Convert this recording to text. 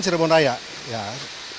metropolitan cirebon raya